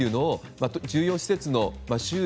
重要施設の周囲